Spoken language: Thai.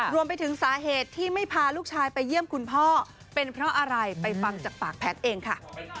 รวมไปถึงสาเหตุที่ไม่พาลูกชายไปเยี่ยมคุณพ่อเป็นเพราะอะไรไปฟังจากปากแพทย์เองค่ะ